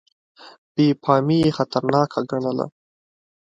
بې پامي یې خطرناکه ګڼله.